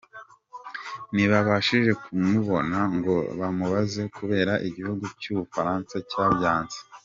Ntibabashije kumubona ngo bamubaze kubera igihugu cy’u Bufaransa cyabyanze.